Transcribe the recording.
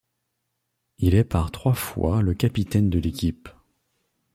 Il est par trois fois le capitaine de l'équipe.